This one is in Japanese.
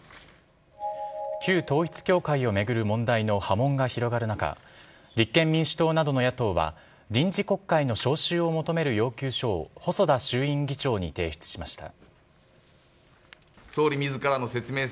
旧統一教会を巡る問題の波紋が広がる中立憲民主党などの野党は臨時国会の召集を求める要求書を細田衆院議長に提出しました。